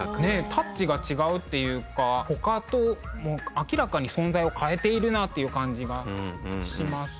タッチが違うっていうか他と明らかに存在を変えているなという感じがしますし。